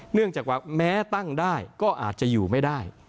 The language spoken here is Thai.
เนื่องจากว่าแม้ตั้งได้ก็อาจจะอยู่ไม่ได้